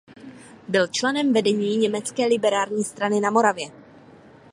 Byl členem vedení německé liberální strany na Moravě.